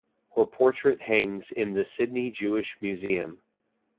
Her portrait hangs in the Sydney Jewish Museum.